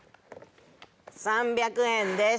３００円です。